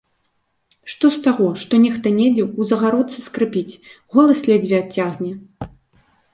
Што з таго, што нехта недзе ў загародцы скрыпіць, голас ледзьве адцягне?